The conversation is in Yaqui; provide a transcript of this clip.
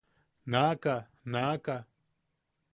–¡Naʼaka! ¡Naʼaka!